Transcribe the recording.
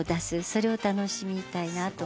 それを楽しみたいなと。